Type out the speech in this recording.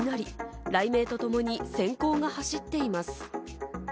雷鳴とともに閃光が走っています。